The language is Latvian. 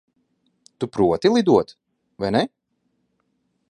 Tu proti lidot, vai ne?